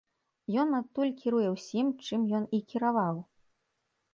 Ён адтуль кіруе ўсім, чым ён і кіраваў!